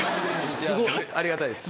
ありがたいです。